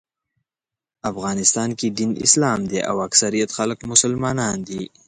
افغانستان کې دین اسلام دی او اکثریت خلک مسلمانان دي.